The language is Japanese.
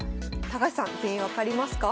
高橋さん全員分かりますか？